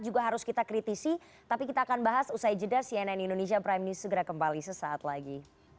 juga harus kita kritisi tapi kita akan bahas usai jeda cnn indonesia prime news segera kembali sesaat lagi